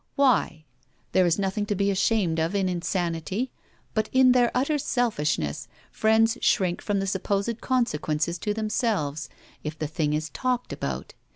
Why? There is nothing to be ashamed of in insanity; but in their utter selfishness friends shrink from the supposed consequences to themselves if the thing is 'talked about.'